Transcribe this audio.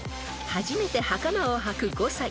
［初めてはかまをはく５歳］